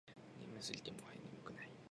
眠すぎてもはや眠くない